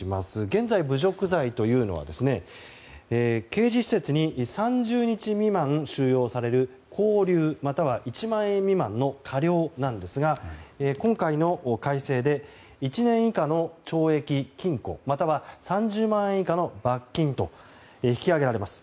現在、侮辱罪というのは刑事施設に３０日未満収容される「拘留または１万円未満の科料」なんですが今回の改正で１年以下の懲役・禁錮または３０万円以下の罰金と引き上げられます。